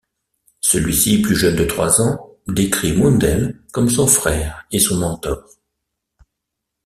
Celui-ci, plus jeune de trois ans, décrit Mundell comme son frère et son mentor.